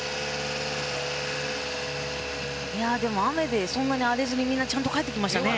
でも雨でそんなに荒れずにみんな帰ってきましたね。